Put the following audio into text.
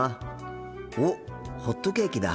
おっホットケーキだ。